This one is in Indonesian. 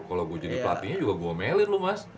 kalau gue jadi pelatihnya juga gue melin lu mas